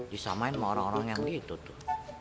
disamain sama orang orang yang gitu tuh